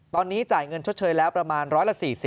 ตอนนี้จ่ายเงินชดเชยแล้วประมาณ๑๔๐